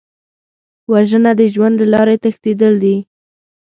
وژنه د ژوند له لارې تښتېدل دي